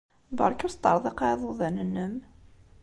Beṛka ur sṭerḍiq ara iḍudan-nnem.